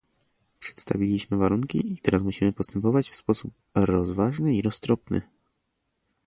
Przedstawiliśmy warunki i teraz musimy postępować w sposób rozważny i roztropny